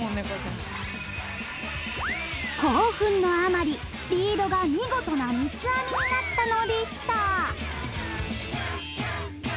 興奮のあまりリードが見事な三つ編みになったのでした